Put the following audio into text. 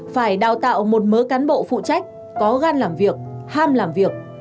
phải đào tạo một mớ cán bộ phụ trách có gan làm việc ham làm việc